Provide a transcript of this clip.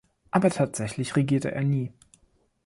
Aber tatsächlich regierte er nie.